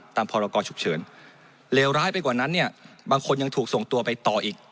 พรกรฉุกเฉินเลวร้ายไปกว่านั้นเนี่ยบางคนยังถูกส่งตัวไปต่ออีก